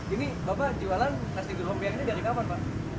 ini bapak jualan nasi gerompeng ini dari kapan pak